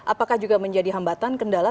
apakah juga menjadi hambatan kendala